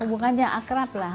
hubungannya akrab lah